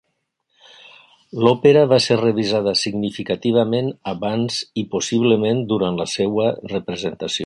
L'òpera va ser revisada significativament abans i possiblement durant la seva representació.